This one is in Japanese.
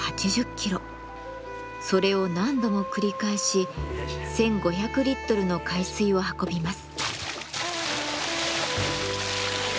それを何度も繰り返し１，５００リットルの海水を運びます。